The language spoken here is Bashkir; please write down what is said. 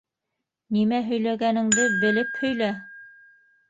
Нимә һөйләгәнеңде белеп һөйлә!